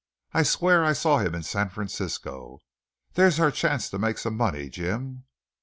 I swear I saw him in San Francisco. There's our chance to make some money, Jim."